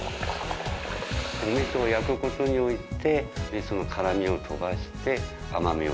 味噌を焼くことによって味噌の辛みを飛ばして甘みを。